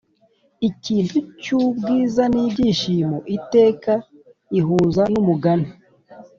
ikintu cyubwiza nibyishimo iteka ihuza numugani